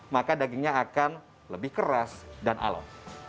maka dagingnya akan lebih keras dan alot